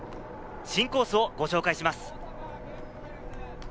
新コースをご紹介します。